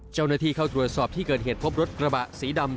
เจ้าหน้าที่เข้าตรวจสอบที่เกิดเหตุพบรถกระบะสีดำ